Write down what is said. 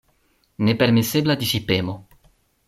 Nepermesebla disipemo.